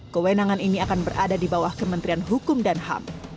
kewenangan ini akan berada di bawah kementerian hukum dan ham